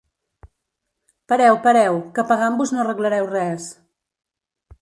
Pareu, pareu, que pegant-vos no arreglareu res.